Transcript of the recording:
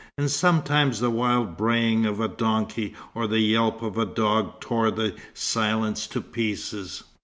And sometimes the wild braying of a donkey or the yelp of a dog tore the silence to pieces.